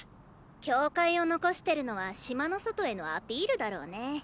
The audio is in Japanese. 教会を残してるのは島の外へのアピールだろうね。